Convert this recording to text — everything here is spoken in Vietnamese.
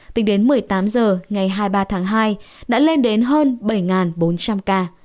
tính đến một mươi tám h ngày hai mươi ba tháng hai đã lên đến hơn bảy bốn trăm linh ca